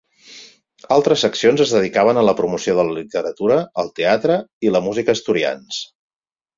Altres seccions es dedicaven a la promoció de la literatura, el teatre i la música asturians.